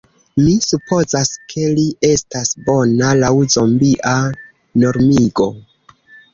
Mi supozas ke li estas bona, laŭ zombia... normigo?